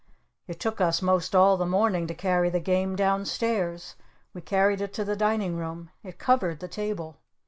It took us most all the morning to carry the Game down stairs. We carried it to the Dining Room. It covered the table.